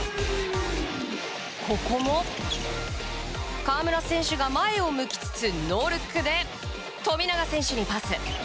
ここも、河村選手が前を向きつつノールックで富永選手にパス。